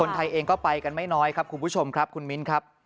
ไทยเองก็ไปกันไม่น้อยครับคุณผู้ชมครับคุณมิ้นครับ